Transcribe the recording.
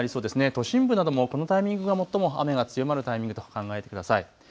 都心部などもこのタイミングが最も雨が強まるタイミングと考えてください。